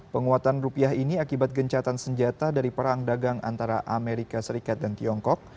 penguatan rupiah ini akibat gencatan senjata dari perang dagang antara amerika serikat dan tiongkok